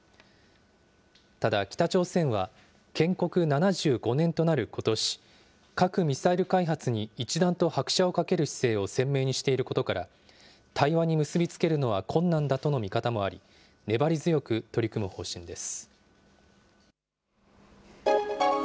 ただ、北朝鮮は建国７５年となることし、核・ミサイル開発に一段と拍車をかける姿勢を鮮明にしていることから、対話に結び付けるのは困難だとの見方もあり、粘り強く取り組む方針です。